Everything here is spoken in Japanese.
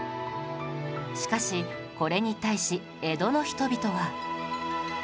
しかしこれに対し江戸の人々は